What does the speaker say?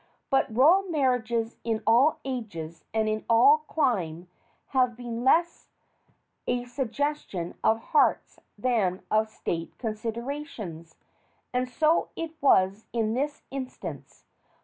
But royal marriages in all ages and in every clime have been less a suggestion of hearts than of state considerations; and so it was in this instance.